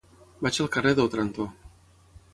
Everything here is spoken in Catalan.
Vaig al carrer d'Òtranto.